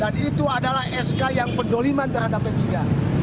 dan itu adalah sk yang pendoliman terhadap menteri yasona